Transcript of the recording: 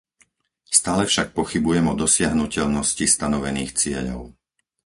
Stále však pochybujem o dosiahnuteľnosti stanovených cieľov.